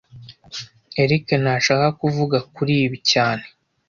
Eric ntashaka kuvuga kuri ibi cyane